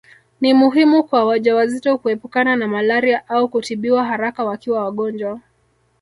Ni muhimu kwa wajawazito kuepukana na malaria au kutibiwa haraka wakiwa wagonjwa